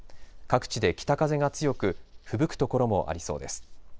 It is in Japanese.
各地で北風が強く、ふぶく所もありそうです。